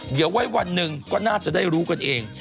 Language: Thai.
เดี๋ยวไว้วันหนึ่งก็น่าจะได้รู้กันเอง